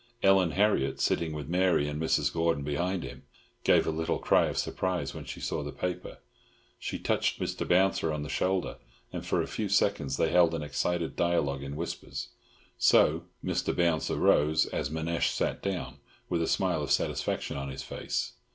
Ellen Harriott, sitting with Mary and Mrs. Gordon behind him, gave a little cry of surprise when she saw the paper. She touched Mr. Bouncer on the shoulder, and for a few seconds they held an excited dialogue in whispers. So Mr. Bouncer rose as Manasseh sat down, with a smile of satisfaction on his face.